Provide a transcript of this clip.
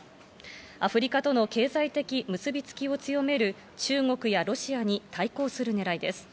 アフリカとの経済的結びつきを強める中国やロシアに対抗する狙いです。